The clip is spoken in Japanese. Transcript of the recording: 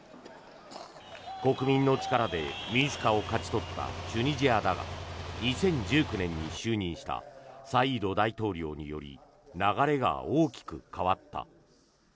国民の力で民主化を勝ち取ったチュニジアだが２０１９年に就任したサイード大統領により流れが大きく変わった。